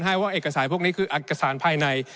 ว่าเอกสารพวกนี้คือเอกสารภายใน